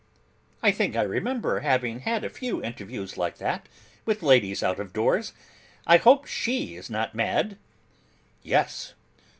'I think I remember having had a few interviews like that, with ladies out of doors. I hope she is not mad?' 'Yes.